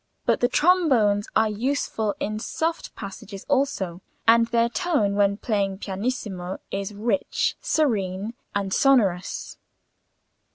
But the trombones are useful in soft passages also, and their tone when playing pianissimo is rich, serene, and sonorous.